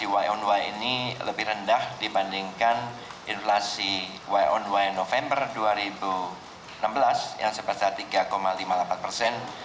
y on y ini lebih rendah dibandingkan inflasi y on y november dua ribu enam belas yang sebesar tiga lima puluh delapan persen